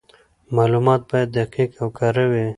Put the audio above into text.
معلومات باید دقیق او کره وي.